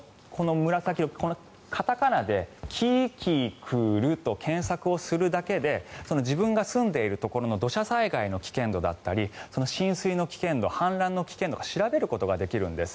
片仮名でキキクルと検索をするだけで自分が住んでいるところの土砂災害の危険度だったり浸水の危険度、氾濫の危険度が調べることができるんです。